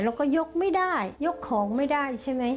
ยกไม่ได้ยกของไม่ได้ใช่ไหม